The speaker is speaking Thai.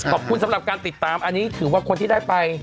ขอบคุณสำหรับการติดตามอันนี้ถือว่าคนที่ได้ไป